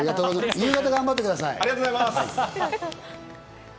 夕方、頑張ってください。